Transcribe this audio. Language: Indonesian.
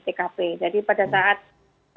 jadi pada saat pelaku dan korban ini berada di tkp